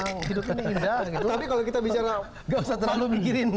tapi kalau kita bicara tidak usah terlalu mikirin